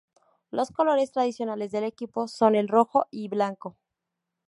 Los colores tradicionales del equipo son el rojo y blanco.